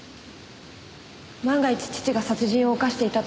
万が一父が殺人を犯していたとしても。